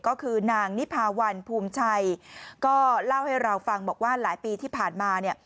ก็คือนางนิพาวันภูมิชัยก็เล่าให้เราฟังบอกว่าหลายปีที่ผ่านมาเนี่ย